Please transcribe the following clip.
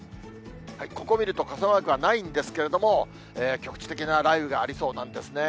ここ見ると傘マークはないんですけれども、局地的な雷雨がありそうなんですね。